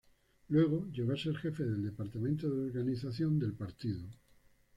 Luego, llegó a ser jefe del Departamento de Organización del partido.